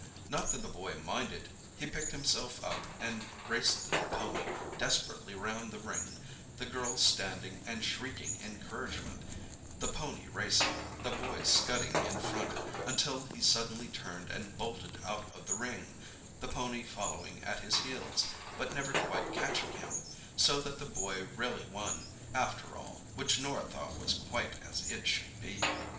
Not that the boy minded—he picked himself up and raced the pony desperately round the ring—the girl standing and shrieking encouragement, the pony racing, the boy scudding in front, until he suddenly turned and bolted out of the ring, the pony following at his heels, but never quite catching him—so that the boy really won, after all, which Norah thought was quite as it should be.